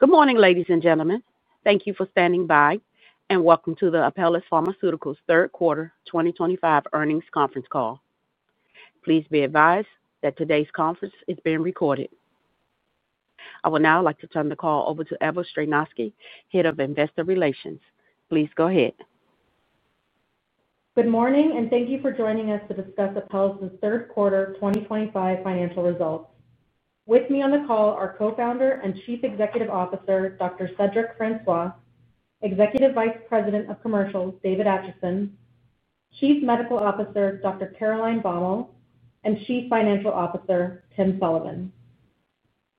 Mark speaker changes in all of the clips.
Speaker 1: Good morning ladies and gentlemen. Thank you for standing by and welcome to the Apellis Pharmaceuticals third quarter 2025 earnings conference call. Please be advised that today's conference is being recorded. I would now like to turn the call over to Eva Stroynowski, Head of Investor Relations. Please go ahead.
Speaker 2: Good morning and thank you for joining us to discuss Apellis' third quarter 2025 financial results. With me on the call are Co-Founder and Chief Executive Officer Dr. Cedric Francois, Executive Vice President of Commercial David Acheson, Chief Medical Officer Dr. Caroline Baumal, and Chief Financial Officer Tim Sullivan.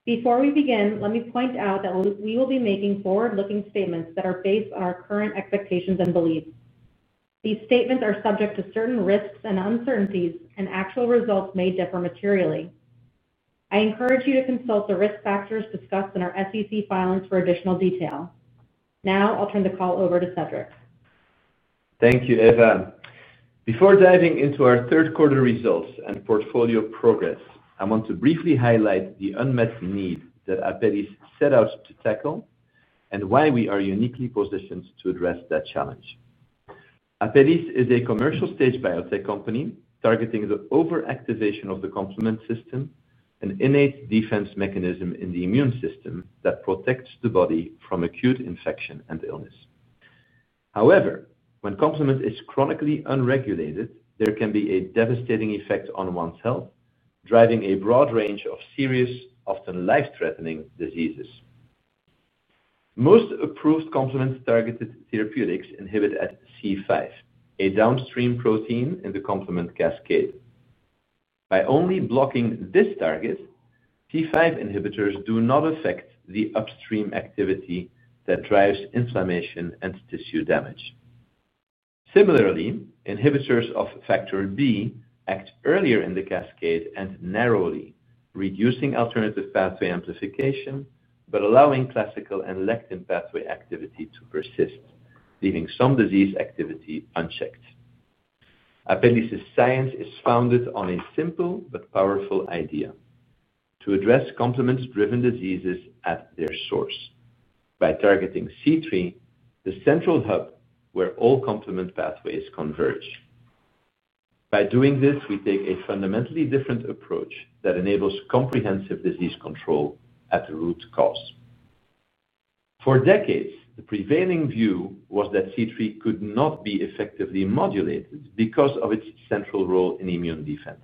Speaker 2: Before we begin, let me point out that we will be making forward-looking statements that are based on our current expectations and beliefs. These statements are subject to certain risks and uncertainties and actual results may differ materially. I encourage you to consult the risk factors discussed in our SEC filings for additional detail. Now I'll turn the call over to Cedric.
Speaker 3: Thank you, Eva. Before diving into our third quarter results and portfolio progress, I want to briefly highlight the unmet need that Apellis set out to tackle and why we are uniquely positioned to address that challenge. Apellis is a commercial stage biotech company targeting the overactivation of the complement system, an innate defense mechanism in the immune system that protects the body from acute infection and illness. However, when complement is chronically unregulated, there can be a devastating effect on one's health, driving a broad range of serious, often life-threatening diseases. Most approved complement targeted therapeutics inhibit at C5, a downstream protein in the complement cascade. By only blocking this target, C5 inhibitors do not affect the upstream activity that drives inflammation and tissue damage. Similarly, inhibitors of factor B act earlier in the cascade and narrowly reduce alternative pathway amplification but allow classical and lectin pathway activity to persist, leaving some disease activity unchecked. Apellis' science is founded on a simple but powerful idea: to address complement-driven diseases at their source by targeting C3, the central hub where all complement pathways converge. By doing this, we take a fundamentally different approach that enables comprehensive disease control at the root cause. For decades, the prevailing view was that C3 could not be effectively modulated because of its central role in immune defense.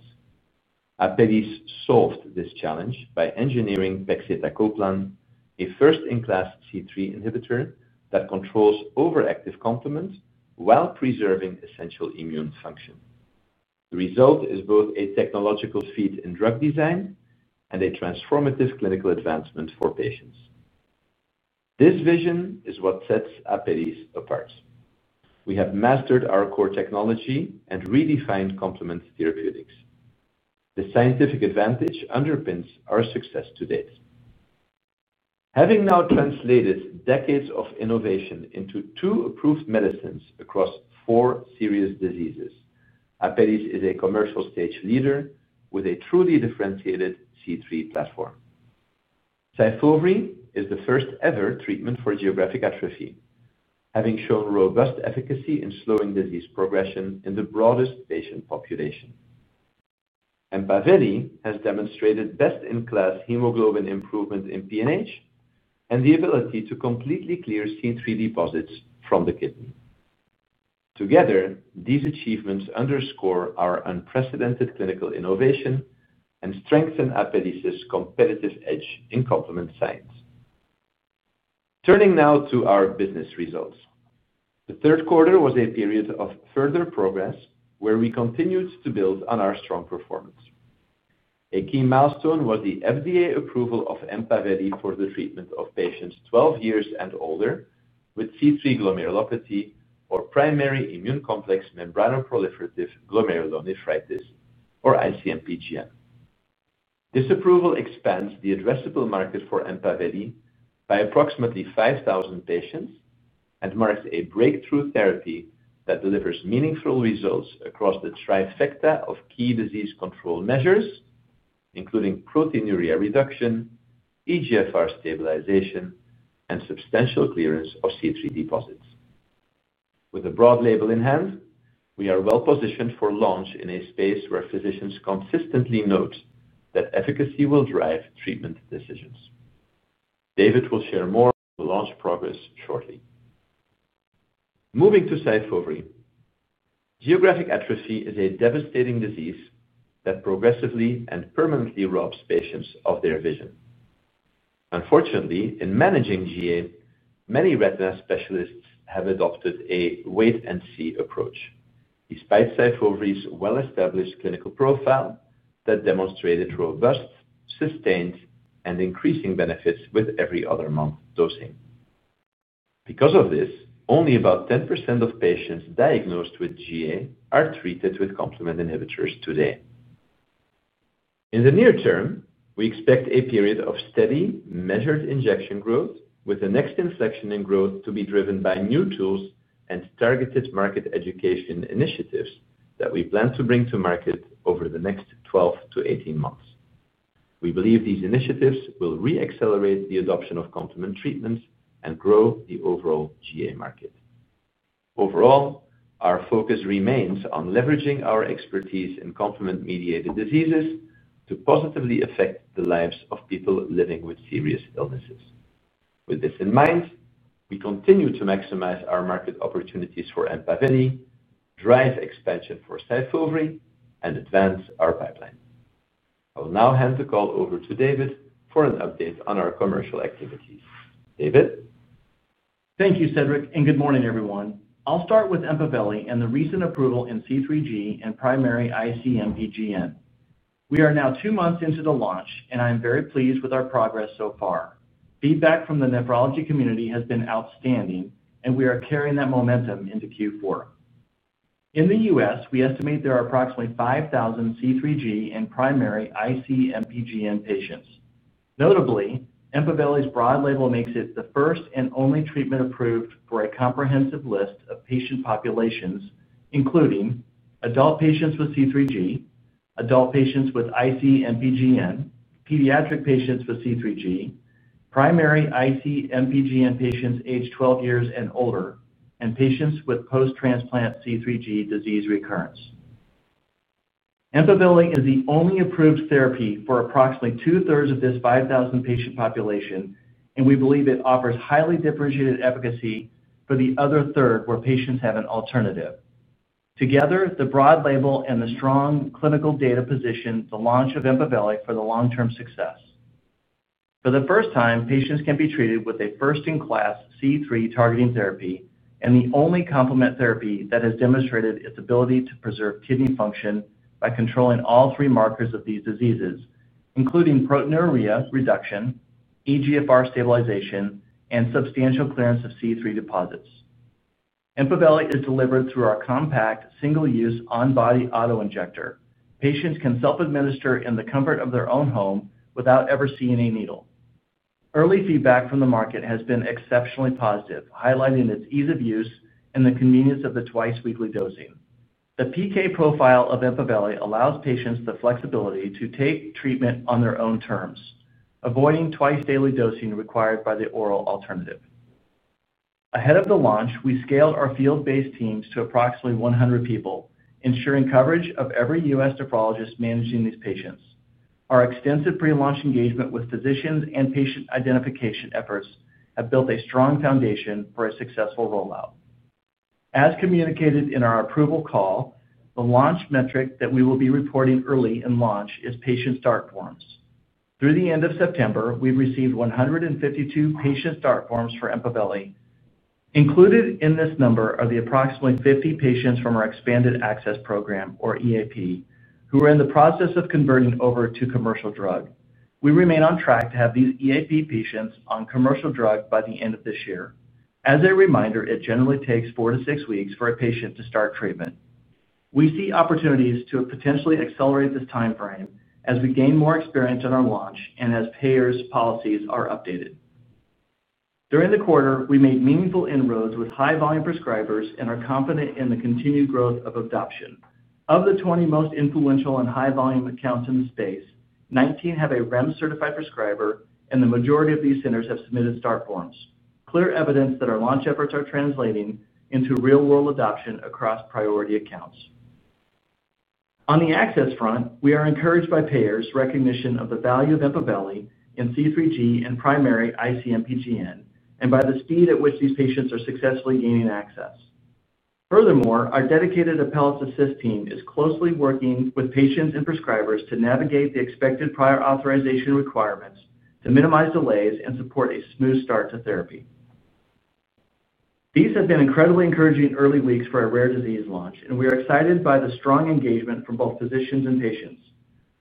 Speaker 3: Apellis solved this challenge by engineering pegcetacoplan, a first-in-class C3 inhibitor that controls overactive complement while preserving essential immune function. The result is both a technological feat in drug design and a transformative clinical advancement for patients. This vision is what sets Apellis apart. We have mastered our core technology and redefined complement therapeutics. The scientific advantage underpins our success to date. Having now translated decades of innovation into two approved medicines across four serious diseases, Apellis is a commercial stage leader with a truly differentiated C3 platform. SYFOVRE is the first ever treatment for geographic atrophy, having shown robust efficacy in slowing disease progression in the broadest patient population. EMPAVELI has demonstrated best-in-class hemoglobin improvement in PNH and the ability to completely clear C3 deposits from the kidney. Together, these achievements underscore our unprecedented clinical innovation and strengthen Apellis' competitive edge in complement science. Turning now to our business results, the third quarter was a period of further progress where we continued to build on our strong performance. A key milestone was the FDA approval of EMPAVELI for the treatment of patients 12 years and older with C3 glomerulopathy or primary immune complex membranoproliferative glomerulonephritis or ICMPGN. This approval expands the addressable market for EMPAVELI by approximately 5,000 patients and marks a breakthrough therapy that delivers meaningful results across the trifecta of key disease control measures including proteinuria reduction, eGFR stabilization, and substantial clearance of C3 deposits. With a broad label in hand, we are well positioned for launch in a space where physicians consistently note that efficacy will drive treatment decisions. David will share more on the launch progress shortly. Moving to SYFOVRE, geographic atrophy is a devastating disease that progressively and permanently robs patients of their vision. Unfortunately, in managing GA, many retina specialists have adopted a wait and see approach despite SYFOVRE's well-established clinical profile that demonstrated robust, sustained, and increasing benefits with every other month dosing. Because of this, only about 10% of patients diagnosed with GA are treated with complement inhibitors today. In the near term, we expect a period of steady, measured injection growth with the next inflection in growth to be driven by new tools and targeted market education initiatives that we plan to bring to market over the next 12 to 18 months. We believe these initiatives will re-accelerate the adoption of complement treatments and grow the overall GA market. Overall, our focus remains on leveraging our expertise in complement-mediated diseases to positively affect the lives of people living with serious illnesses. With this in mind, we continue to maximize our market opportunities for EMPAVELI, drive expansion for SYFOVRE, and advance our pipeline. I will now hand the call over to David for an update on our commercial activities.
Speaker 4: David, thank you Cedric, and good morning everyone. I'll start with EMPAVELI and the recent approval in C3G and primary IC-MPGN. We are now two months into the launch, and I am very pleased with our progress so far. Feedback from the nephrology community has been outstanding, and we are carrying that momentum into Q4. In the U.S., we estimate there are approximately 5,000 C3G and primary IC-MPGN patients. Notably, EMPAVELI's broad label makes it the first and only treatment approved for a comprehensive list of patient populations, including adult patients with C3G, adult patients with IC-MPGN, pediatric patients with C3G, primary IC-MPGN patients age 12 years and older, and patients with post-transplant C3G disease recurrence. EMPAVELI is the only approved therapy for approximately 2/3 of this 5,000 patient population, and we believe it offers highly differentiated efficacy for the other third where patients have an alternative. Together, the broad label and the strong clinical data position the launch of EMPAVELI for long-term success. For the first time, patients can be treated with a first-in-class C3 targeting therapy and the only complement therapy that has demonstrated its ability to preserve kidney function by controlling all three markers of these diseases, including proteinuria reduction, eGFR stabilization, and substantial clearance of C3 deposits. EMPAVELI is delivered through our compact, single-use on-body auto-injector. Patients can self-administer in the comfort of their own home without ever seeing a needle. Early feedback from the market has been exceptionally positive, highlighting its ease of use and the convenience of the twice-weekly dosing. The PK profile of EMPAVELI allows patients the flexibility to take treatment on their own terms, avoiding twice-daily dosing required by the oral alternative. Ahead of the launch, we scaled our field-based teams to approximately 100 people, ensuring coverage of every U.S. nephrologist managing these patients. Our extensive prelaunch engagement with physicians and patient identification efforts have built a strong foundation for a successful rollout. As communicated in our approval call, the launch metric that we will be reporting early in launch is patient start forms. Through the end of September, we've received 152 patient start forms for EMPAVELI. Included in this number are the approximately 50 patients from our Expanded Access Program or EAP who are in the process of converting over to commercial drug. We remain on track to have these EAP patients on commercial drug by the end of this year. As a reminder, it generally takes four to six weeks for a patient to start treatment. We see opportunities to potentially accelerate this time frame as we gain more experience in our launch and as payer policies are updated during the quarter. We made meaningful inroads with high volume prescribers and are confident in the continued growth of adoption. Of the 20 most influential and high volume accounts in the space, 19 have a REMS certified prescriber and the majority of these centers have submitted STAR forms. Clear evidence that our launch efforts are translating into real world adoption across priority accounts. On the access front, we are encouraged by payers' recognition of the value of EMPAVELI in C3G and primary IC-MPGN and by the speed at which these patients are successfully gaining access to. Furthermore, our dedicated Apellis Assist team is closely working with patients and prescribers to navigate the expected prior authorization requirements to minimize delays and support a smooth start to therapy. These have been incredibly encouraging early weeks for a rare disease launch and we are excited by the strong engagement from both physicians and patients.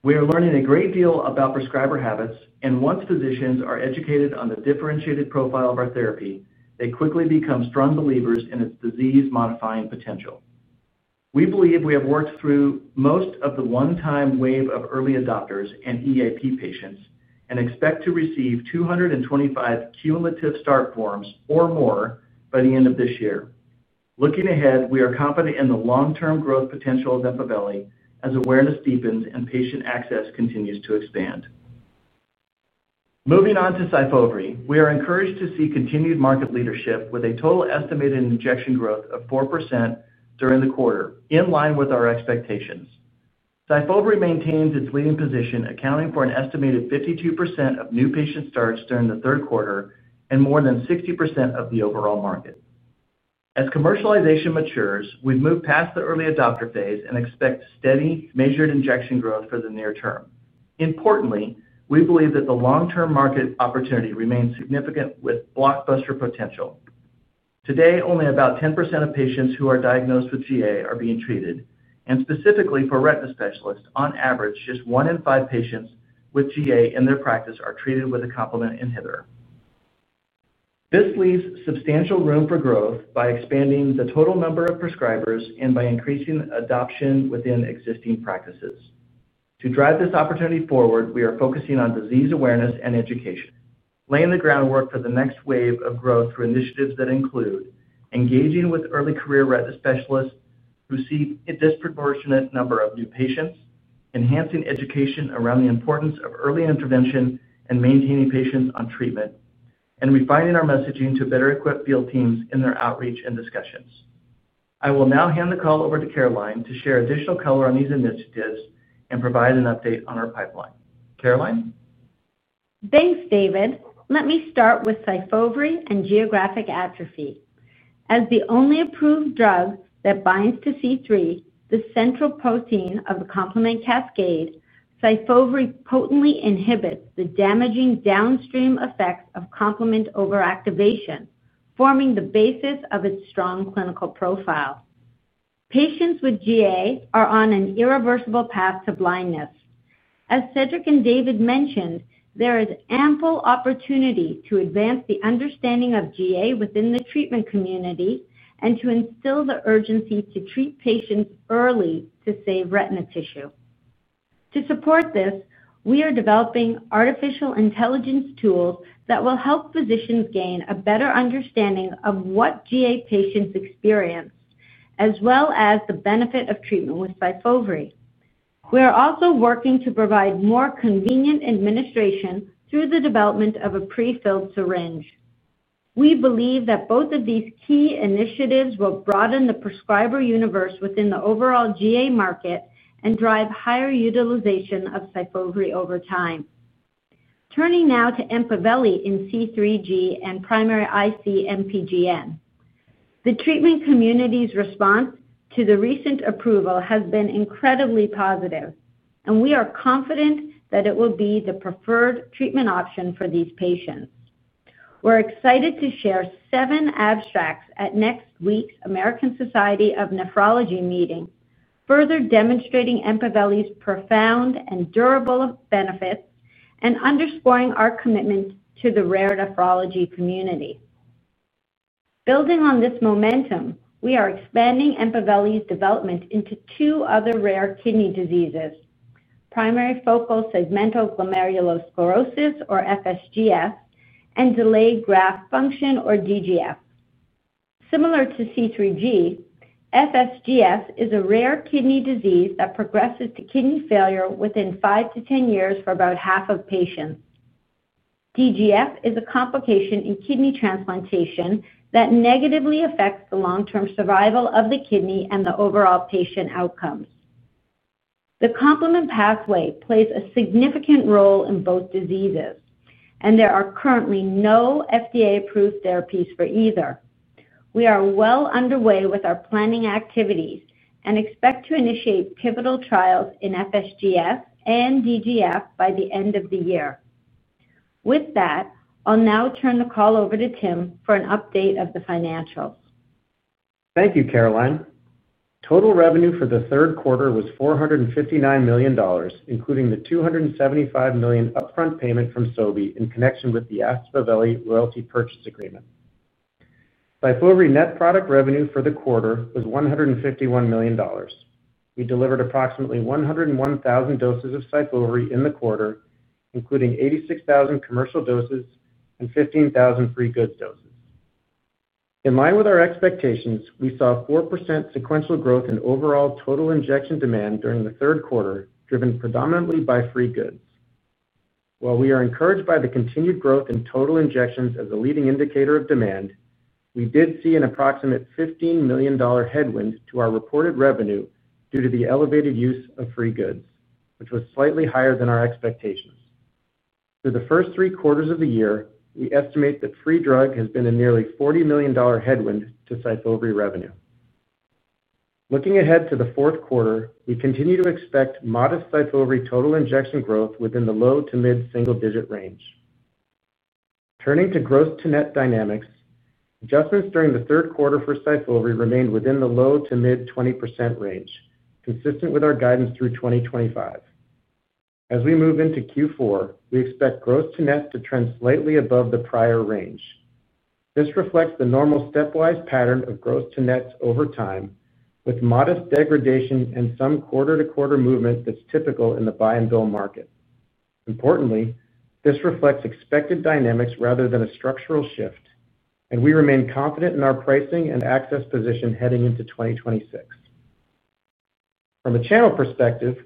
Speaker 4: We are learning a great deal about prescriber habits and once physicians are educated on the differentiated profile of our therapy, they quickly become strong believers in its disease modifying potential. We believe we have worked through most of the one-time wave of early adopters and EAP patients and expect to receive 225 cumulative start forms or more by the end of this year. Looking ahead, we are confident in the long term growth potential of EMPAVELI as awareness deepens and patient access continues to expand. Moving on to SYFOVRE, we are encouraged to see continued market leadership with a total estimated injection growth of 4% during the quarter. In line with our expectations, SYFOVRE maintains its leading position accounting for an estimated 52% of new patient starts during the third quarter and more than 60% of the overall market as commercialization matures. We've moved past the early adopter phase and expect steady measured injection growth for the near term. Importantly, we believe that the long-term market opportunity remains significant with blockbuster potential. Today, only about 10% of patients who are diagnosed with GA are being treated, and specifically for retina specialists, on average, just one in five patients with GA in their practice are treated with a complement inhibitor. This leaves substantial room for growth by expanding the total number of prescribers and by increasing adoption within existing practices. To drive this opportunity forward, we are focusing on disease awareness and education, laying the groundwork for the next wave of growth through initiatives that include engaging with early career retina specialists who see a disproportionate number of new patients, enhancing education around the importance of early intervention and maintaining patients on treatment, and refining our messaging to better equip field teams in their outreach and discussions. I will now hand the call over to Dr. Caroline Baumal to share additional color on these initiatives and provide an update on our pipeline. Caroline,
Speaker 5: Thanks David, let me start with SYFOVRE and geographic atrophy. As the only approved drug that binds to C3, the central protein of the complement cascade, SYFOVRE potently inhibits the damaging downstream effects of complement overactivation, forming the basis of its strong clinical profile. Patients with GA are on an irreversible path to blindness. As Cedric and David mentioned, there is ample opportunity to advance the understanding of GA within the treatment community and to instill the urgency to treat patients early to save retina tissue. To support this, we are developing artificial intelligence tools that will help physicians gain a better understanding of what GA patients experience as well as the benefit of treatment with SYFOVRE. We are also working to provide more convenient administration through the development of a pre-filled syringe. We believe that both of these key initiatives will broaden the prescriber universe within the overall GA market and drive higher utilization of SYFOVRE over time. Turning now to EMPAVELI in C3G and primary IC-MPGN, the treatment community's response to the recent approval has been incredibly positive and we are confident that it will be the preferred treatment option for these patients. We're excited to share 7 abstracts at next week's American Society of Nephrology meeting, further demonstrating EMPAVELI's profound and durable benefits and underscoring our commitment to the rare nephrology community. Building on this momentum, we are expanding EMPAVELI's development into two other rare kidney diseases: primary focal segmental glomerulosclerosis, or FSGS, and delayed graft function, or DGF. Similar to C3G, FSGS is a rare kidney disease that progresses to kidney failure within 5-10 years for about half of patients. DGF is a complication in kidney transplantation that negatively affects the long-term survival of the kidney and the overall patient outcomes. The complement pathway plays a significant role in both diseases and there are currently no FDA approved therapies for either. We are well underway with our planning activities and expect to initiate pivotal trials in FSGS and DGF by the end of the year. With that, I'll now turn the call over to Tim for an update of the financials.
Speaker 6: Thank you, Caroline. Total revenue for the third quarter was $459 million, including the $275 million upfront payment from Sobi in connection with the EMPAVELI royalty purchase agreement. SYFOVRE net product revenue for the quarter was $151 million. We delivered approximately 101,000 doses of SYFOVRE in the quarter, including 86,000 commercial doses and 15,000 free goods doses. In line with our expectations, we saw 4% sequential growth in overall total injection demand during the third quarter, driven predominantly by free goods. While we are encouraged by the continued growth in total injections as a leading indicator of demand, we did see an approximate $15 million headwind to our reported revenue due to the elevated use of free goods, which was slightly higher than our expectations for the first three quarters of the year. We estimate that free drug has been a nearly $40 million headwind to SYFOVRE revenue. Looking ahead to the fourth quarter, we continue to expect modest SYFOVRE total injection growth within the low to mid single digit range. Turning to gross to net dynamics, adjustments during the third quarter for SYFOVRE remained within the low to mid 20% range, consistent with our guidance through 2025. As we move into Q4, we expect gross to net to trend slightly above the prior range. This reflects the normal stepwise pattern of gross to net over time, with modest degradation and some quarter to quarter movement that's typical in the buy and build market. Importantly, this reflects expected dynamics rather than a structural shift, and we remain confident in our pricing and access position heading into 2026. From a channel perspective,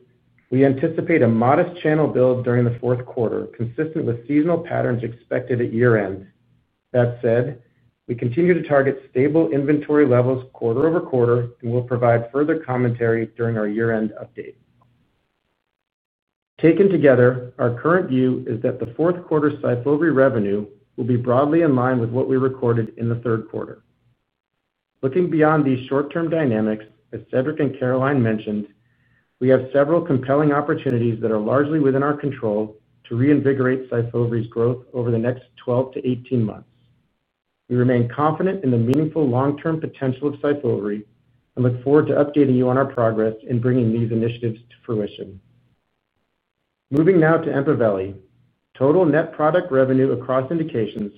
Speaker 6: we anticipate a modest channel build during the fourth quarter, consistent with seasonal patterns expected at year end. That said, we continue to target stable inventory levels quarter over quarter and will provide further commentary during our year end update. Taken together, our current view is that the fourth quarter SYFOVRE revenue will be broadly in line with what we recorded in the third quarter. Looking beyond these short term dynamics, as Cedric and Caroline mentioned, we have several compelling opportunities that are largely within our control to reinvigorate SYFOVRE's growth over the next 12-18 months. We remain confident in the meaningful long term potential of SYFOVRE and look forward to updating you on our progress in bringing these initiatives to fruition. Moving now to EMPAVELI, total net product revenue across indications,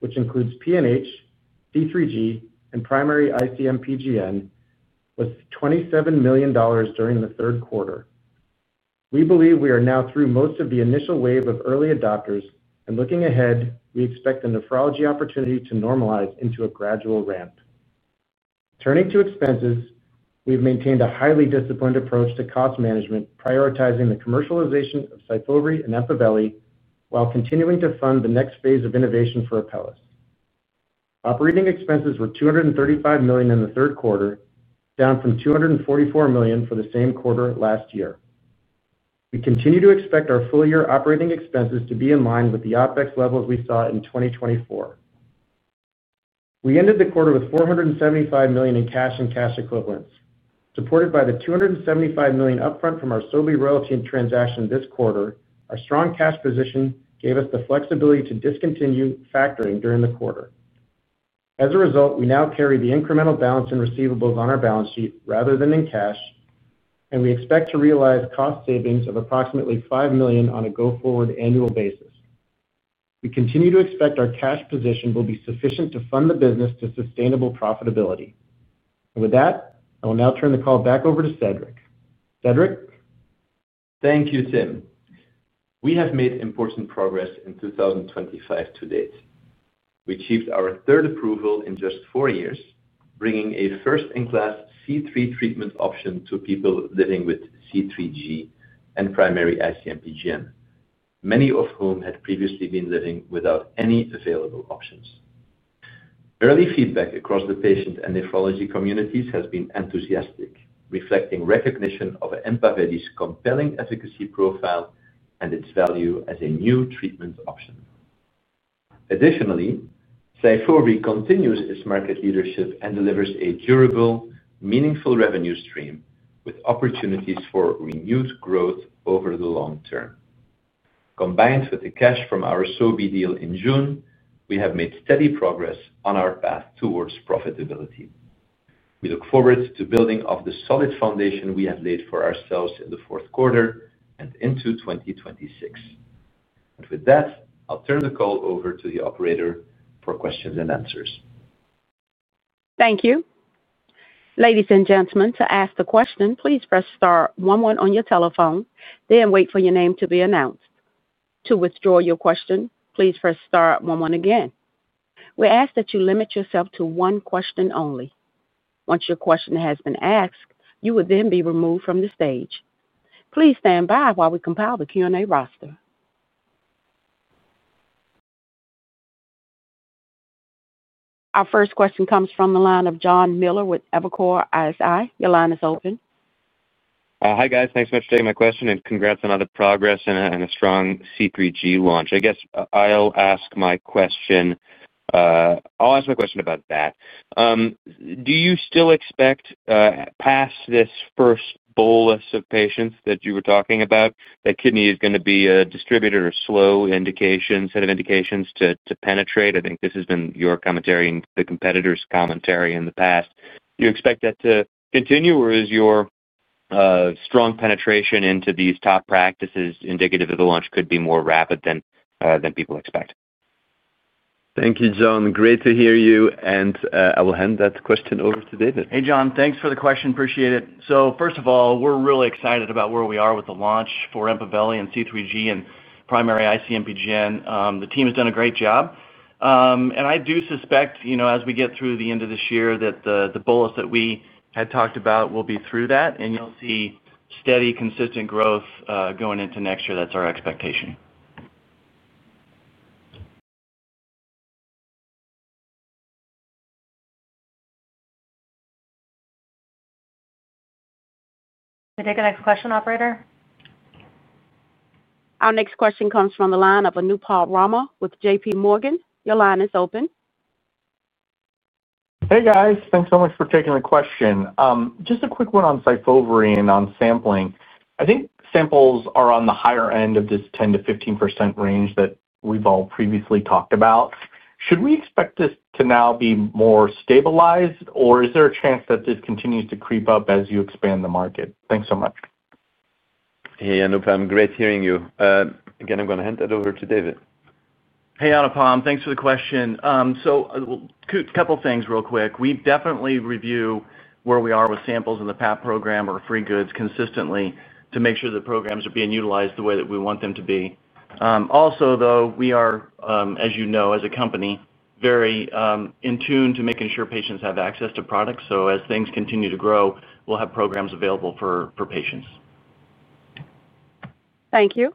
Speaker 6: which includes PNH, C3G, and primary IC-MPGN, was $27 million during the third quarter. We believe we are now through most of the initial wave of early adopters and, looking ahead, we expect the nephrology opportunity to normalize into a gradual ramp. Turning to expenses, we've maintained a highly disciplined approach to cost management, prioritizing the commercialization of SYFOVRE and EMPAVELI while continuing to fund the next phase of innovation. For Apellis, operating expenses were $235 million in the third quarter, down from $244 million for the same quarter last year. We continue to expect our full year operating expenses to be in line with the OpEx levels we saw in 2024. We ended the quarter with $475 million in cash and cash equivalents, supported by the $275 million upfront from our Sobi royalty transaction this quarter. Our strong cash position gave us the flexibility to discontinue factoring during the quarter. As a result, we now carry the incremental balance in receivables on our balance sheet rather than in cash, and we expect to realize cost savings of approximately $5 million on a go forward annual basis. We continue to expect our cash position will be sufficient to fund the business to sustainable profitability. With that, I will now turn the call back over to Cedric. Cedric, Thank you, Tim. We have made important progress in 2025. To date, we achieved our third approval in just four years, bringing a first-in-class C3 treatment option to people living with C3G and primary IC-MPGN, many of whom had previously been living without any available options. Early feedback across the patient and nephrology communities has been enthusiastic, reflecting recognition of EMPAVELI's compelling efficacy profile and its value as a new treatment option. Additionally, SYFOVRE continues its market leadership and delivers a durable, meaningful revenue stream with opportunities for renewed growth over the long term. Combined with the cash from our Sobi deal in June, we have made steady progress on our path towards profitability. We look forward to building off the solid foundation we have laid for ourselves in the fourth quarter and into 2026. With that, I'll turn the call over to the operator for questions and answers.
Speaker 1: Thank you, ladies and gentlemen. To ask the question, please press star one one on your telephone, then wait for your name to be announced. To withdraw your question, please press Star one one. Again, we ask that you limit yourself to one question only. Once your question has been asked, you will then be removed from the stage. Please stand by while we compile the Q and A roster. Our first question comes from the line of John Miller with Evercore ISI. Your line is open.
Speaker 7: Hi guys. Thanks so much for taking my question and congrats on the progress and a strong C3G launch. I guess I'll ask my question about that. Do you still expect past this first? Bolus of patients that you were talking about? That kidney is going to be a distributed or slow indication set of indications to penetrate? I think this has been your commentary and the competitor's commentary in the past. Do you expect that to continue or is your strong penetration into these top practices indicative that the launch could be more rapid than people expect?
Speaker 3: Thank you, John. Great to hear you. I will hand that question over to David.
Speaker 4: Hey John, thanks for the question. Appreciate it. First of all, we're really excited about where we are with the launch for EMPAVELI and C3G and primary IC-MPGN. The team has done a great job. I do suspect, you know, as we get through the end of this year that the bullets that we had talked about will be through that and you'll see steady, consistent growth going into next year. That's our expectation.
Speaker 2: Take the next question. Operator,
Speaker 1: Our next question comes from the line of Anupam Rama with JPMorgan. Your line is open.
Speaker 8: Hey guys, thanks so much for taking the question. Just a quick one on SYFOVRE. On sampling, I think samples are on the higher end of this 10%-15% range that we've all previously talked about. Should we expect this to now be? More stabilized, or is there a chance that this continues to creep up as you expand the market? Thanks so much.
Speaker 3: Hey Anupam, great hearing you again. I'm going to hand it over to David.
Speaker 4: Hey Anupam, thanks for the question. A couple things real quick. We definitely review where we are with samples in the PAP program or free goods consistently to make sure the programs are being utilized the way that we want them to be. Also, we are, as you know, as a company, very in tune to making sure patients have access to products. As things continue to grow, we'll have programs available for patients.
Speaker 1: Thank you.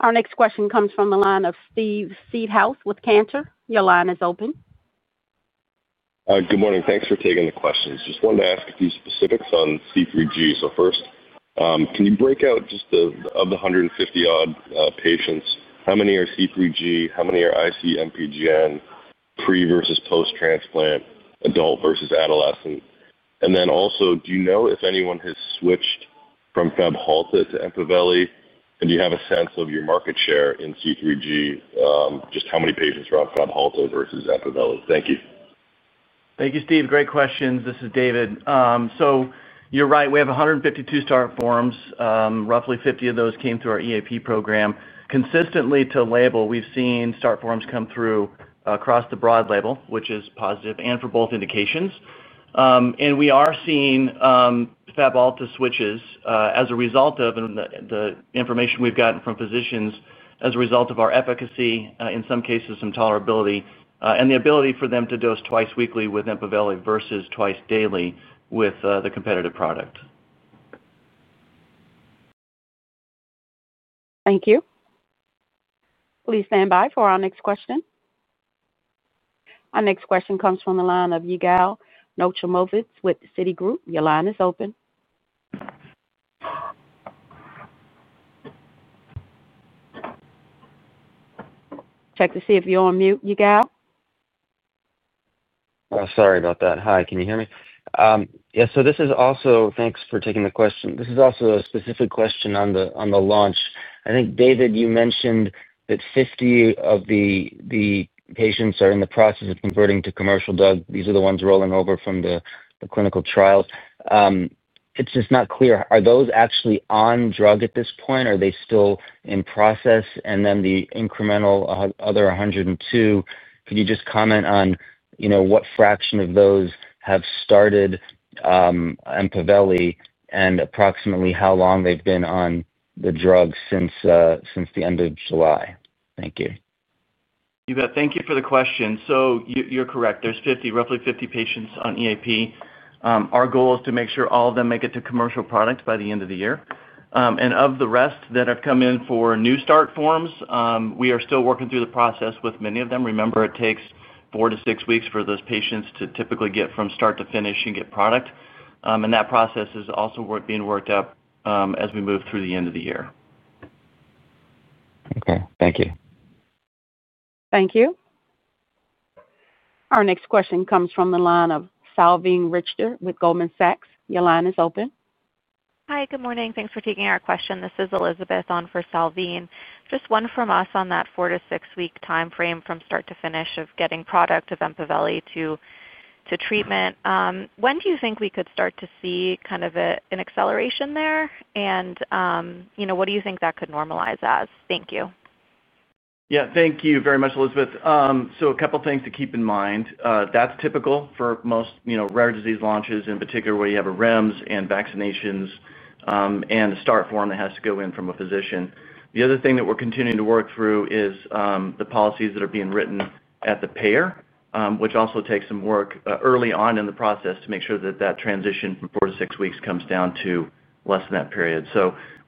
Speaker 1: Our next question comes from the line of Steve Seedhouse with Goldman Sachs. Your line is open.
Speaker 9: Good morning. Thanks for taking the questions. Just wanted to ask a few specifics on C3G. First, can you break out, just of the 150 odd patients, how many are C3G? How many are IC-MPGN? Pre versus post transplant, adult versus adolescent? Also, do you know if anyone has switched from Fabhalta to EMPAVELI? Do you have a sense of your market share in C3G? Just how many patients are on Fabhalta vs EMPAVELI then?
Speaker 4: Thank you, Steve. Great questions. This is David. You're right. We have 152 start forms. Roughly 50 of those came through our EAP program consistently to label. We've seen start forms come through across the broad label, which is positive and for both indications. We are seeing Fab Alta switches as a result of the information we've gotten from physicians, as a result of our efficacy, in some cases some tolerability, and the ability for them to dose twice weekly with EMPAVELI versus twice daily with the competitive product.
Speaker 1: Thank you. Please stand by for our next question. Our next question comes from the line of Yigal Nochomovitz with Citigroup. Your line is open. Check to see if you're on mute. Yigal.
Speaker 10: Sorry about that. Hi, can you hear me? Yes, this is also. Thanks for taking the question. This is also a specific question on the launch, I think. David, you mentioned that 50 of the patients are in the process of converting to commercial. Doug, these are the ones rolling over from the clinical trials. It's just not clear. Are those actually on drug at this point? Are they still in process? The incremental other 102. Could you just comment on what fraction of those have started EMPAVELI and approximately how long they've been on the drug? Since the end of July. Thank you,
Speaker 4: Yvette. Thank you for the question. You're correct. There's roughly 50 patients on EAP. Our goal is to make sure all of them make it to commercial products by the end of the year. Of the rest that have come in for new start forms, we are still working through the process with many of them. Remember, it takes four to six weeks for those patients to typically get from start to finish and get product. That process is also being worked up as we move through the end of the year.
Speaker 10: Okay, thank you.
Speaker 1: Thank you. Our next question comes from the line of Salveen Richter with Goldman Sachs. Your line is open.
Speaker 11: Hi, good morning. Thanks for taking our question. This is Elizabeth on for Salveen. Just one from us on that four to six week time frame from start to finish of getting product of EMPAVELI to treatment. When do you think we could start to see kind of an acceleration there? What do you think that could normalize as? Thank you.
Speaker 4: Thank you very much, Salveen. A couple things to keep in mind that's typical for most rare disease launches, in particular where you have a REMS and vaccination and a start form that has to go in from a physician. The other thing that we're continuing to work through is the policies that are being written at the payer, which also takes some work early on in the process to make sure that transition from four to six weeks comes down to less than that period.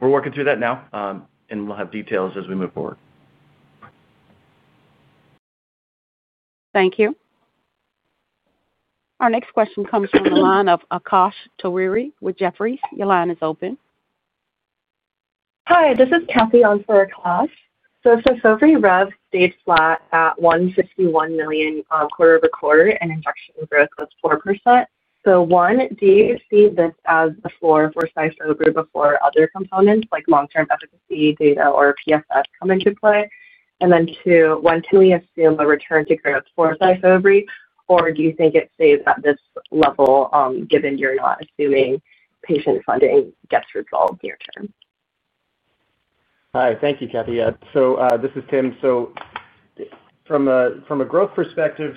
Speaker 4: We're working through that now and we'll have details as we move forward.
Speaker 11: Thank. You.
Speaker 1: Our next question comes from the line of Akash Tawiri with Jefferies. Your line is open.
Speaker 12: Hi, this is Kathy on for Akash. SYFOVRE revenue stayed flat at $151 million quarter over quarter and injection growth was 4%. Do you see this as The floor for SYFOVRE before other. Components like long-term efficacy data or PFF come into play? When can we assume a return to growth for SYFOVRE, or do you think it stays at this level given you're not assuming patient funding gets resolved near term?
Speaker 6: Hi. Thank you, Kathy. This is Tim. From a growth perspective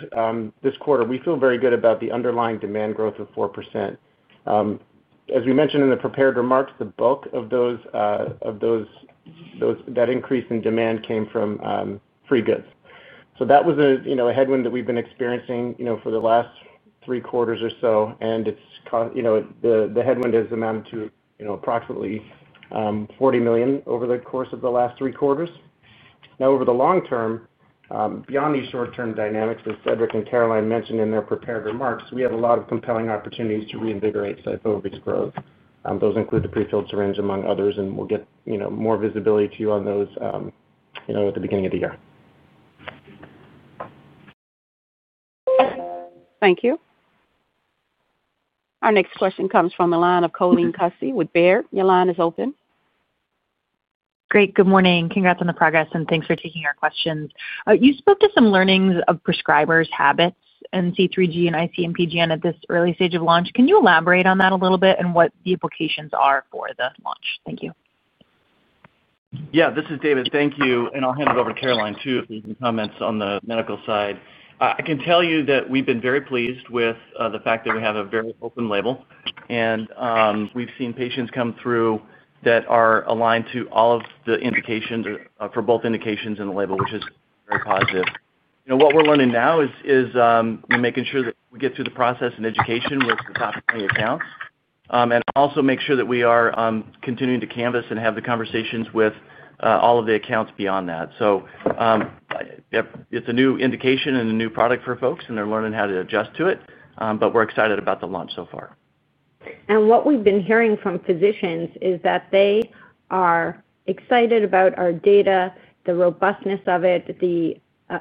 Speaker 6: this quarter, we feel very good about the underlying demand growth of 4%. As we mentioned in the prepared remarks, the bulk of that increase in demand came from. That was a headwind that we've been experiencing for the last three quarters or so, and the headwind has amounted to approximately $40 million over the course of the last three quarters. Over the long term, beyond these short term dynamics, as Cedric and Caroline mentioned in their prepared remarks, we have a lot of compelling opportunities to reinvigorate SYFOVRE's growth. Those include the pre-filled syringe among others, and we'll get more visibility to you on those at the beginning of the year.
Speaker 1: Thank you. Our next question comes from the line of Colleen Kusy with Baird. Your line is open.
Speaker 13: Great. Good morning. Congrats on the progress and thanks for taking our questions. You spoke to some learnings of prescribers' habits in C3G and IC-MPGN at this early stage of launch. Can you elaborate on that a little bit and what the implications are for the launch? Thank you.
Speaker 4: Yeah, this is David. Thank you. I'll hand it over to Caroline too if there's any comments on the medical side. I can tell you that we've been very pleased with the fact that we have a very open label, and we've seen patients come through that are aligned to all of the indications for both indications in the label, which is very positive. What we're learning now is making sure that we get through the process in education with the top 20 accounts and also make sure that we are continuing to canvass and have the conversations with all of the accounts beyond that. It's a new indication and a new product for folks, and they're learning how to adjust to it. We're excited about the launch.
Speaker 5: Far and what we've been hearing from physicians is that they are excited about our data, the robustness of it, the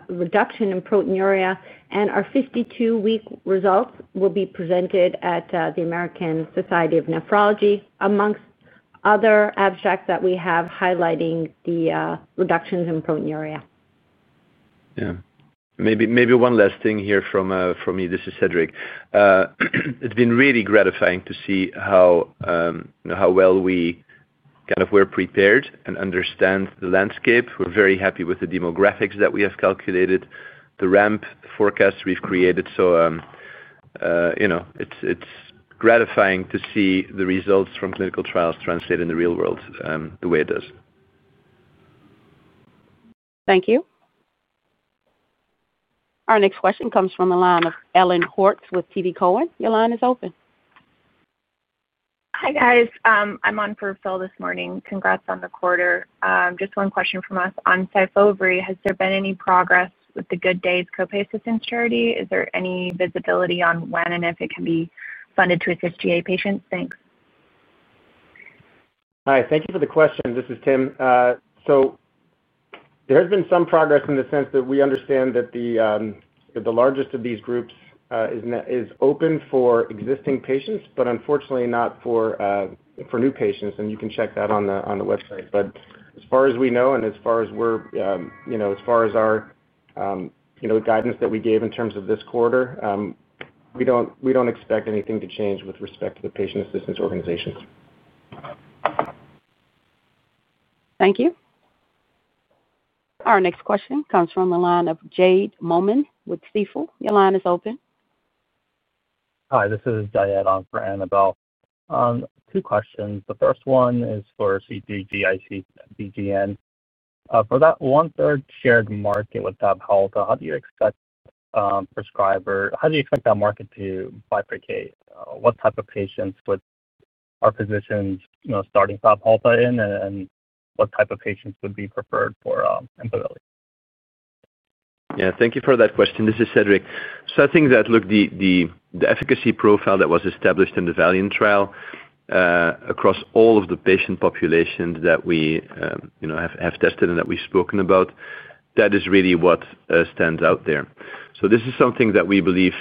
Speaker 5: reduction in proteinuria, and our 52 week results will be presented at the American Society of Nephrology, amongst other abstracts that we have highlighting the reductions in proteinuria.
Speaker 3: Maybe one last thing here from me, this is Cedric. It's been really gratifying to see how well we kind of were prepared and understand the landscape. We're very happy with the demographics that we have calculated, the ramp forecast we've created. It's gratifying to see the results from clinical trials translate in the real world the way it does.
Speaker 1: Thank you. Our next question comes from the line of Ellen Horste with TD Cowen. Your line is open.
Speaker 14: Hi guys. I'm on for Phil this morning. Congrats on the quarter. Just one question from us on SYFOVRE. Has there been any progress with the Good Days copay assistance charity? Is there any visibility on when and if it can be funded to assist GA patients? Thanks.
Speaker 6: Hi, thank you for the question. This is Tim. There has been some progress in the sense that we understand that the largest of these groups is open for existing patients, but unfortunately not for new patients. You can check that on the website. As far as we know, and as far as our guidance that we gave in terms of this quarter, we don't expect anything to change with respect to the patient assistance organizations.
Speaker 1: Thank you. Our next question comes from the line of Jade Moman with Stifel. Your line is open.
Speaker 15: Hi, this is Dyad on for Annabelle. Two questions. The first one is for C3G and IC-MPGN for. That one third shared market with that. How do you expect prescriber, how do. You expect that market to bifurcate? What type of patients would our physicians? Starting SYFOVRE in and what type of. Patients would be preferred for EMPAVELI?
Speaker 3: Thank you for that question. This is Cedric. I think that the efficacy profile that was established in the Valiant trial across all of the patient populations that we have tested and that we've spoken about, that is really what stands out there. This is something that we believe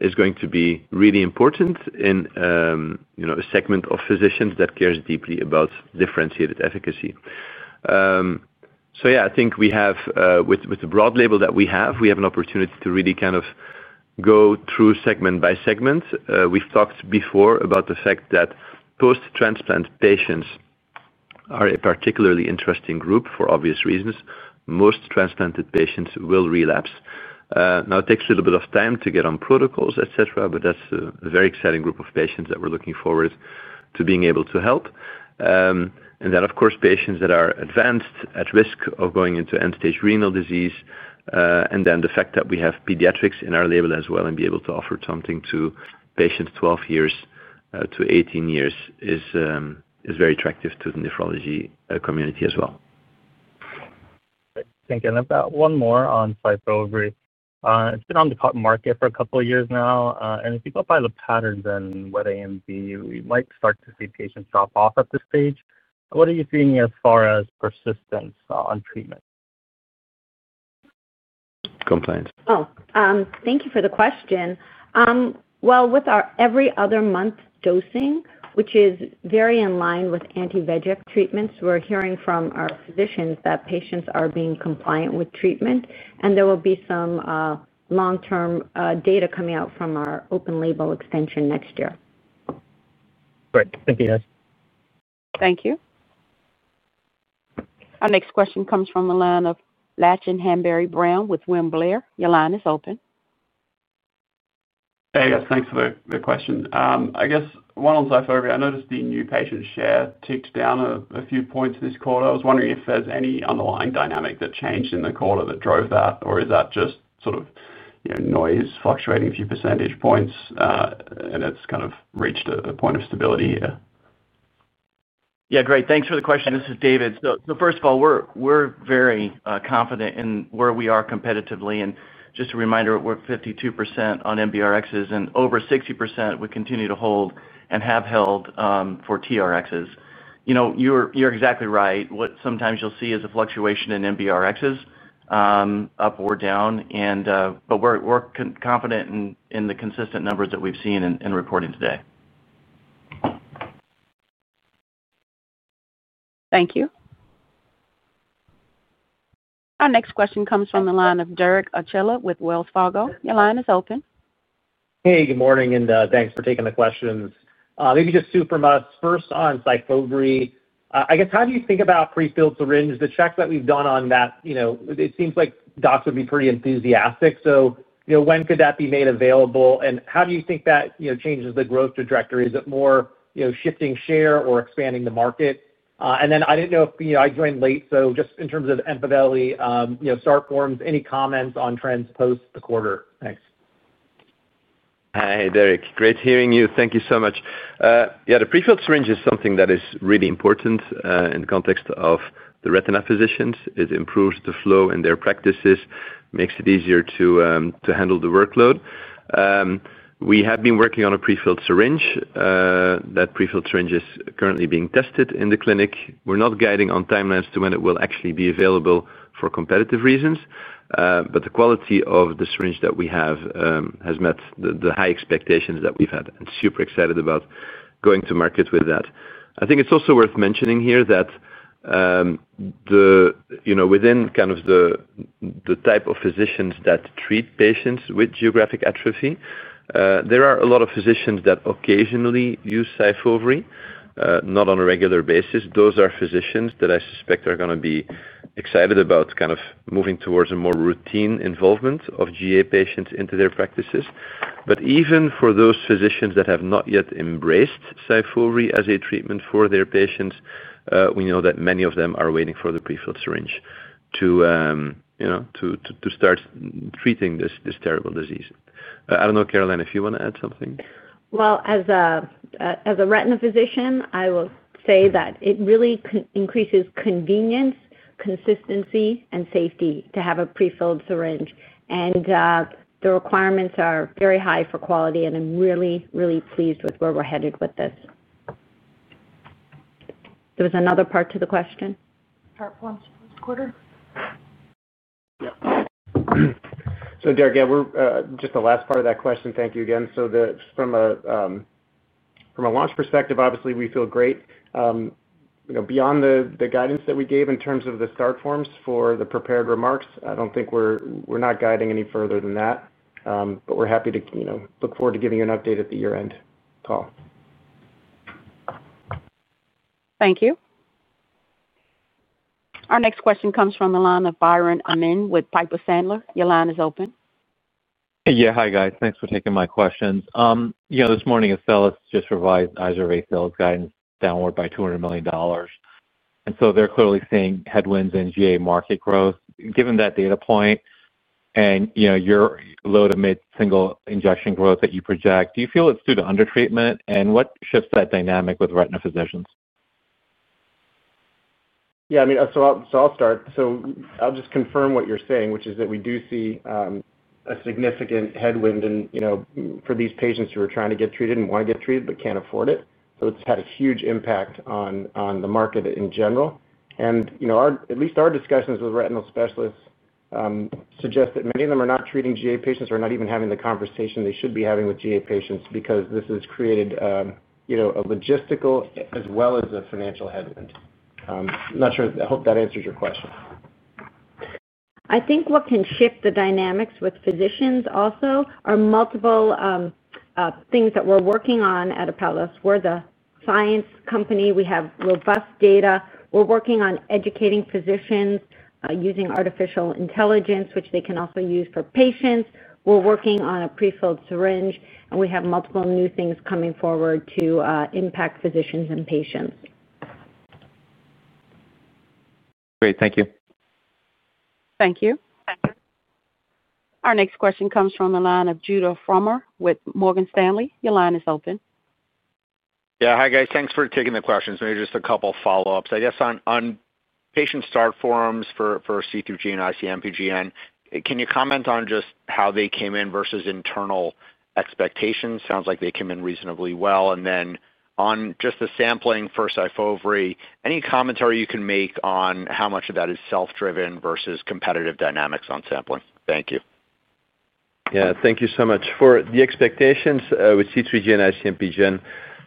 Speaker 3: is going to be really important in a segment of physicians that cares deeply about differentiated efficacy. I think we have, with the broad label that we have, an opportunity to really kind of go through segment by segment. We've talked before about the fact that post transplant patients are a particularly interesting group. For obvious reasons, most transplanted patients will relapse. It takes a little bit of time to get on protocols, et cetera, but that's a very exciting group of patients that we're looking forward to being able to help. Of course, patients that are advanced at risk of going into end stage renal disease. The fact that we have pediatrics in our label as well and be able to offer something to patients 12 years-18 years is very attractive to the nephrology community as well.
Speaker 15: Thinking about one more on SYFOVRE. It's been on the GA market for. A couple of years now. You go by the patterns in wet AMD, you might start to see patients drop off at this stage. What are you seeing as far as. Persistence on treatment. Complaints?
Speaker 5: Thank you for the question. With our every other month dosing, which is very in line with anti-VEGF treatments, we're hearing from our physicians that patients are being compliant with treatment, and there will be some long-term data coming out from our open-label extension next year.
Speaker 15: Great. Thank you, guys.
Speaker 1: Thank you. Our next question comes from the line of Lachlan Hanbury-Brown with William Blair. Your line is open.
Speaker 16: Hey, thanks for the question. I guess one on SYFOVRE. I noticed the new patient share ticked down a few points this quarter. I was wondering if there's any underlying. dynamic that changed in the quarter that drove that, or is that just sort of noise fluctuating a few percentage points and it's kind of reached a point of stability? Yeah.
Speaker 4: Great. Thanks for the question. This is David. First of all, we're very confident in where we are competitively. Just a reminder, we're 52% on MBRXS and over 60%. We continue to hold and have held for TRXS. You're exactly right. What you'll see sometimes is a fluctuation in MBRXS up or down. We're confident in the consistent numbers that we've seen in reporting today.
Speaker 1: Thank you. Our next question comes from the line of Derek Archila with Wells Fargo. Your line is open.
Speaker 17: Hey, good morning and thanks for taking the questions. Maybe just two from us. First on SYFOVRE, I guess how do you think about pre-filled syringe, the checks that we've done on that, you know, it seems like docs would be pretty enthusiastic. When could that be made available and how do you think that changes the growth trajectory? Is it more shifting share or expanding the market? I didn't know if I joined late. In terms of initial start forms, any comments on trends post the quarter? Thanks.
Speaker 3: Hi Derek, great hearing you. Thank you so much. The pre-filled syringe is something that is really important in the context of the retina physicians. It improves the flow in their practices, makes it easier to handle the workload. We have been working on a pre-filled syringe. That pre-filled syringe is currently being tested in the clinic. We're not guiding on timelines to when it will actually be available for competitive reasons, but the quality of the syringe that we have has met the high expectations that we've had and super excited about going to market with that. I think it's also worth mentioning here that within the type of physicians that treat patients with geographic atrophy, there are a lot of physicians that occasionally use SYFOVRE, not on a regular basis. Those are physicians that I suspect are going to be excited about kind of moving towards a more routine involvement of GA patients into their practices. Even for those physicians that have not yet embraced SYFOVRE as a treatment for their patients, we know that many of them are waiting for the pre-filled syringe to start treating this terrible disease. I don't know, Caroline, if you want to add something.
Speaker 5: As a retina physician, I will say that it really increases convenience, consistency, and safety to have a pre-filled syringe. The requirements are very high for quality, and I'm really, really pleased with where we're headed with this. There was another part to the question, part one this quarter.
Speaker 6: Derek, just the last part of that question. Thank you again. From a launch perspective, obviously we feel great beyond the guidance that we gave in terms of the start forms for the prepared remarks. I don't think we're guiding any further than that. We're happy to look forward to giving you an update at the year end. Paul.
Speaker 1: Thank you. Our next question comes from the line of Biren Amin with Piper Sandler. Your line is open.
Speaker 18: Yeah. Hi guys. Thanks for taking my questions this morning. Apellis just revised SYFOVRE guidance downward by $200 million. They're clearly seeing headwinds in GA market growth. Given that data point and your low to mid single injection growth that you project, do you feel it's due to undertreatment and what shifts that dynamic with retina physicians?
Speaker 6: I'll just confirm what you're saying, which is that we do see a significant headwind for these patients who are trying to get treated and want to get treated but can't afford it. It's had a huge impact on the market in general. At least our discussions with retinal specialists suggest that many of them are not treating GA patients or not even having the conversation they should be having with GA patients because this has created a logistical as well as a financial headwind. I hope that answers your question.
Speaker 5: I think what can shift the dynamics with physicians also are multiple things that we're working on at Apellis. We're the science company. We have robust data. We're working on educating physicians using artificial intelligence, which they can also use for patients. We're working on a pre-filled syringe and we have multiple new things coming forward to impact physicians and patients.
Speaker 18: Great, thank you.
Speaker 1: Thank you. Our next question comes from the line of Judah Frommer with Morgan Stanley. Your line is open.
Speaker 19: Yeah. Hi guys. Thanks for taking the questions. Maybe just a couple follow ups, I guess. On patient start forms for C3G and. IC-MPGN, can you comment on just how they came in versus internal expectations? Sounds like they came in reasonably well. On just the sampling for SYFOVRE, any commentary you can make on how much of that is self driven versus competitive dynamics on sampling? Thank you.
Speaker 3: Thank you so much for the expectations with C3G and IC-MPGN.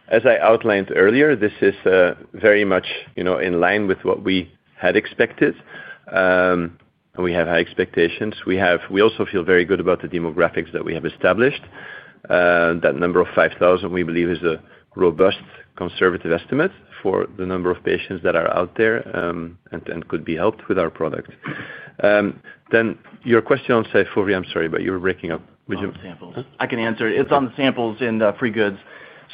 Speaker 3: As I outlined earlier, this is very much in line with what we had expected. We have high expectations. We also feel very good about the demographics that we have established. That number of 5,000 we believe is a robust, conservative estimate for the number of patients that are out there and could be helped with our product. Your question on SYFOVRE. I'm sorry but you're breaking up.
Speaker 4: I can answer it. It's on the samples and free goods.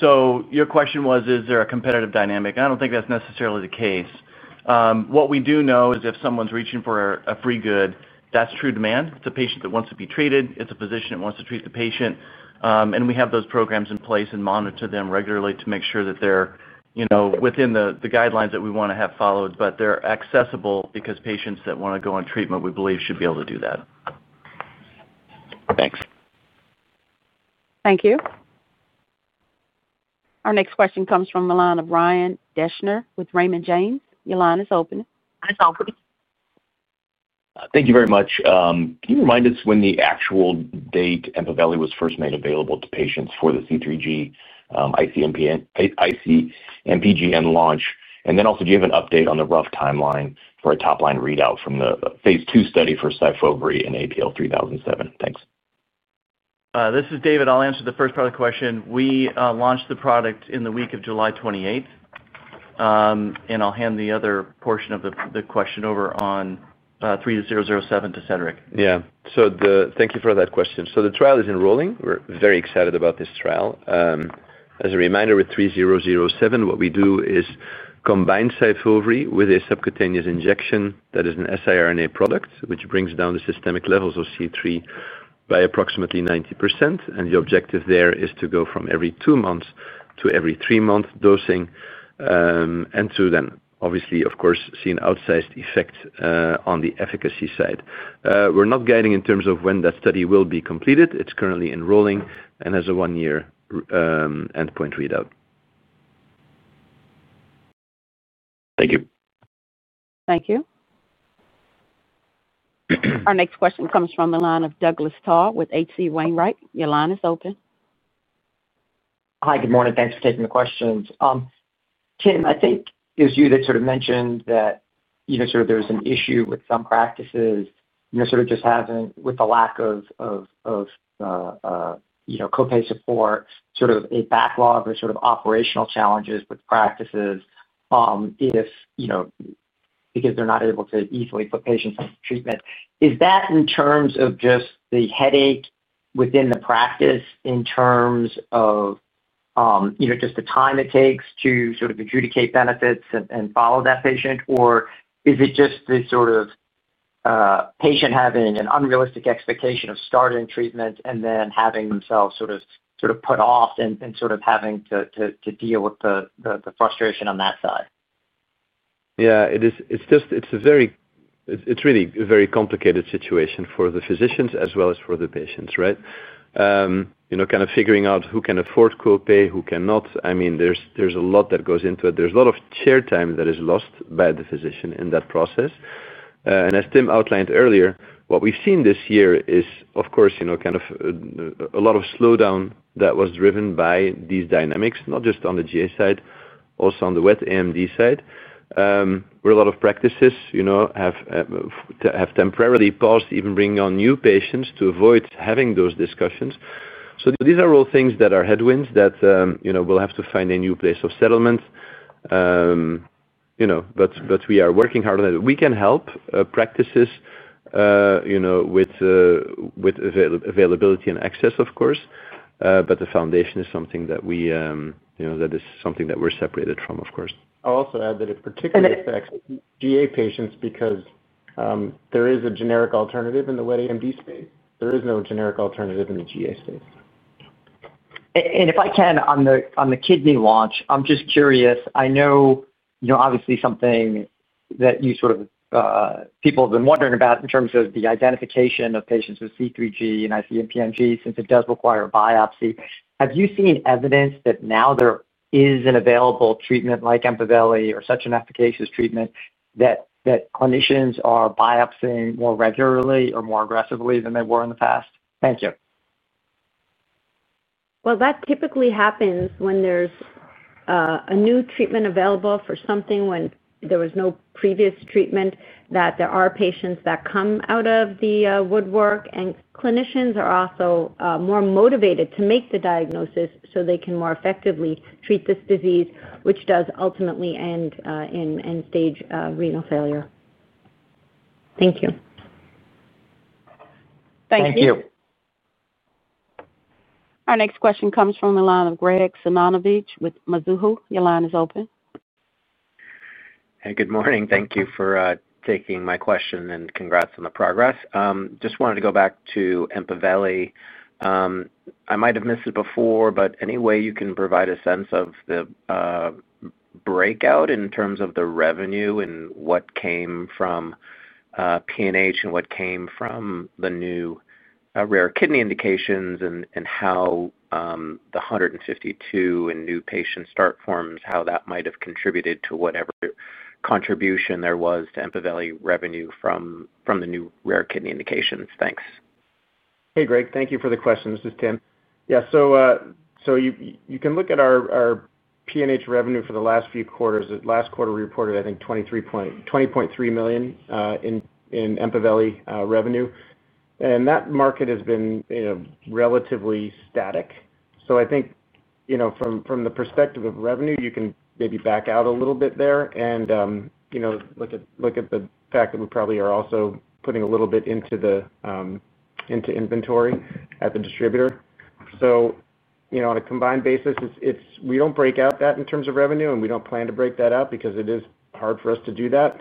Speaker 4: Your question was is there a competitive dynamic? I don't think that's necessarily the case. What we do know is if someone's reaching for a free good, that's true demand. It's a patient that wants to be treated. It's a physician that wants to treat the patient. We have those programs in place and monitor them regularly to make sure that they're within the guidelines that we want to have followed, but they're accessible because patients that want to go on treatment we believe should be able to do that.
Speaker 19: Thanks.
Speaker 1: Thank you. Our next question comes from Ryan Deschner with Raymond James. Your line is open.
Speaker 20: Thank you very much. Can you remind us when the actual date EMPAVELI was first made available to. Patients for the C3G. IC-MPGN launch. Do you have an. Update on the rough timeline for a. Top line readout from the phase 2 study for SYFOVRE and APL-3007? Thanks.
Speaker 4: This is David. I'll answer the first part of the question. We launched the product in the week of July 28th. I'll hand the other portion of the question over on 3007 to Cedric.
Speaker 3: Thank you for that question. The trial is enrolling. We're very excited about this trial. As a reminder, with APL-3007, what we do is combine SYFOVRE with a subcutaneous injection that is an siRNA product which brings down the systemic levels of C3 by approximately 90%. The objective there is to go from every two months to every three month dosing and to then obviously, of course, see an outsized effect on the efficacy side. We're not guiding in terms of when that study will be completed. It is currently enrolling and has a one year endpoint readout. Thank you.
Speaker 1: Thank you. Our next question comes from the line of Douglas Tsao with H.C. Wainwright. Your line is open.
Speaker 21: Hi, good morning. Thanks for taking the questions. Tim, I think it was you that mentioned that there's an issue with some practices just having, with the lack of co-pay support, a backlog or operational challenges with practices if, you know, because they're not able to easily put patients into treatment. Is that in terms of just the headache within the practice, in terms of just the time it takes to adjudicate benefits and follow that patient, or is it just this patient having an unrealistic expectation of starting treatment and then having themselves put off and having to deal with the frustration on that side.
Speaker 3: Yeah, it's just really a very complicated situation for the physicians as well as for the patients. Right. You know, kind of figuring out who can afford co-pay, who cannot. I mean, there's a lot that goes into it. There's a lot of chair time that is lost by the physician in that process. As Tim outlined earlier, what we've seen this year is, of course, a lot of slowdown that was driven by these dynamics. Not just on the GA side, also on the wet AMD side where a lot of practices have temporarily paused even bringing on new patients to avoid having those discussions. These are all things that are headwinds that we'll have to find a new place of settlement, but we are working hard on it. We can help practices with availability and access, of course, but the foundation is something that we're separated from.
Speaker 6: Of course. I'll also add that it particularly affects GA patients because there is a generic alternative in the wet AMD space. There is no generic alternative in the GA space.
Speaker 21: If I can, on the kidney launch. I'm just curious. I know obviously something that people have been wondering about in terms of the identification of patients with C3G and IC-MPGN. Since it does require a biopsy. Have you seen evidence that now there is an available treatment like EMPAVELI or. Such an efficacious treatment that clinicians are. Biopsying more regularly or more aggressively than they were in the past? Thank you.
Speaker 5: That typically happens when there's a new treatment available for something when there was no previous treatment. There are patients that come out of the woodwork and clinicians are also more motivated to make the diagnosis so they can more effectively treat this disease, which does ultimately end in end stage renal failure. Thank you.
Speaker 21: Thank you.
Speaker 1: Our next question comes from the line of Greg with Mizuho. Your line is open.
Speaker 22: Good morning. Thank you for taking my question, and congrats on the progress. Just wanted to go back to EMPAVELI. I might have missed it before. Any way you can provide a sense of the breakout in terms of the revenue and what came from PNH and what came from the new rare kidney indications, and how the 152 and new patient start forms, how that might have contributed to whatever contribution there was to EMPAVELI revenue from the new rare kidney indications. Thanks.
Speaker 6: Hey Greg, thank you for the question. This is Tim. Yeah, so you can look at our PNH revenue for the last few quarters. Last quarter we reported, I think, $20.3 million in EMPAVELI revenue and that market has been relatively static. I think from the perspective of revenue, you can maybe back out a little bit there and look at the fact that we probably are also putting a little bit into inventory at the distributor. You know, on a combined basis, it's—we don't break out that in terms of revenue and we don't plan to break that out because it is hard for us to do that.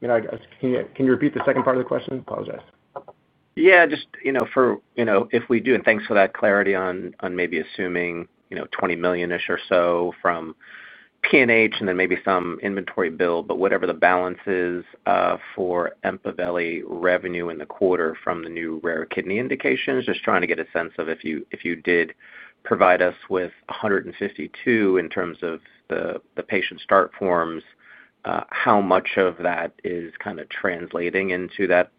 Speaker 6: Can you repeat the second part of the question? Apologize.
Speaker 22: Yeah, just for, if we do. Thanks for that clarity on maybe. Assuming $20 million or so from PNH and then maybe some inventory build. Whatever the balance is for EMPAVELI. Revenue in the quarter from the new rare kidney indications. Just trying to get a sense of if you did provide us with $152 in terms of the patient start forms, how much of that is kind of translating into that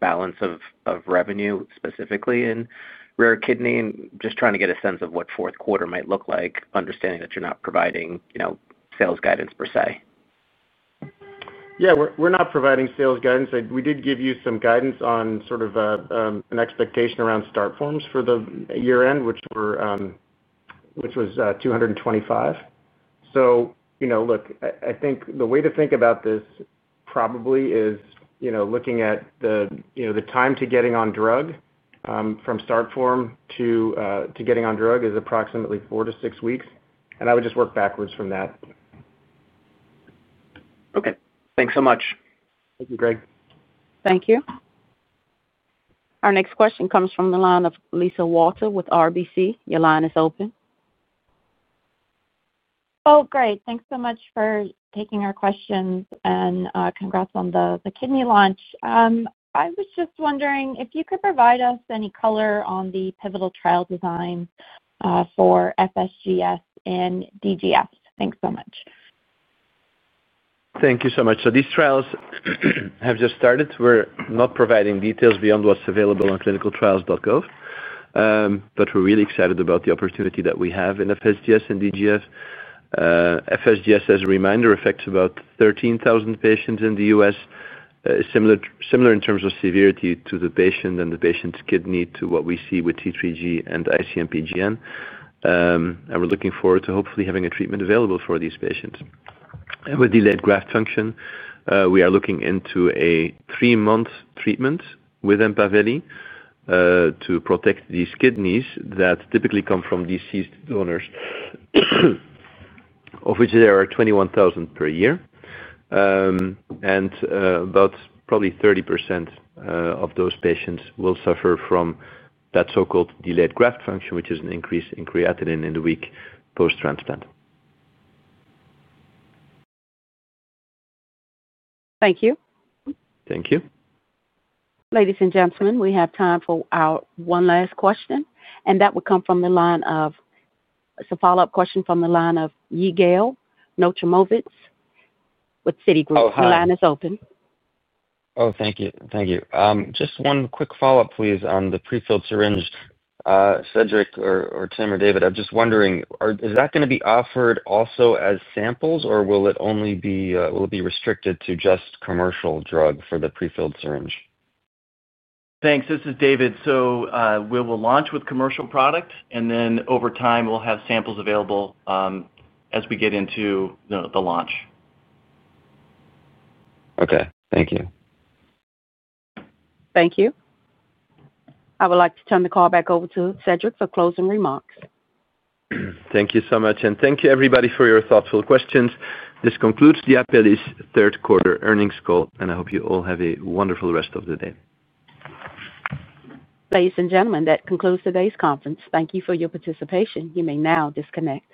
Speaker 22: balance of revenue specifically in rare kidney? Just trying to get a sense of what fourth quarter might look like. Understanding that you're not providing sales guidance per se.
Speaker 6: Yeah, we're not providing sales guidance. We did give you some guidance on sort of an expectation around start forms for the year end, which was 225. I think the way to think about this probably is looking at the time to getting on drug, from start form to getting on drug is approximately four to six weeks. I would just work backwards from that. Okay, thanks so much. Thank you, Greg.
Speaker 1: Thank you. Our next question comes from the line of Lisa Walter with RBC. Your line is open.
Speaker 23: Great. Thanks so much for taking our questions and congrats on the kidney launch. I was just wondering if you could provide us any color on the pivotal trial design for FSGS and DGF. Thanks so much.
Speaker 3: Thank you so much. These trials have just started. We're not providing details beyond what's available on ClinicalTrials.gov, but we're really excited about the opportunity that we have in FSGS and DGF. FSGS, as a reminder, affects about 13,000 patients in the U.S., similar in terms of severity to the patient and the patient's kidney to what we see with C3G and IC-MPGN. We're looking forward to hopefully having a treatment available for these patients with delayed graft function. We are looking into a three-month treatment with EMPAVELI to protect these kidneys that typically come from deceased donors, of which there are 21,000 per year, and about probably 30% of those patients will suffer from that so-called delayed graft function, which is an increase in creatinine in the week post transplant.
Speaker 23: Thank you.
Speaker 3: Thank you.
Speaker 1: Ladies and gentlemen, we have time for one last question and that would come from the line of—it's a follow-up question from the line of Yigal Nochomovitz with Citigroup. The line is open.
Speaker 10: Oh, thank you. Thank you. Just one quick follow-up please on. The pre-filled syringe. Cedric or Tim or David. I'm just wondering, is that going to be offered also as samples or will. Will it be restricted to just commercial drug for the pre-filled syringe?
Speaker 4: Thanks. This is David. We will launch with commercial product, and then over time, we'll have samples available as we get into the launch.
Speaker 10: Okay, thank you.
Speaker 1: Thank you. I would like to turn the call back over to Cedric for closing remarks.
Speaker 3: Thank you so much. Thank you, everybody, for your thoughtful questions. This concludes the Apellis Pharmaceuticals third quarter earnings call, and I hope you all have a wonderful rest of the day.
Speaker 1: Ladies and gentlemen, that concludes today's conference. Thank you for your participation. You may now disconnect.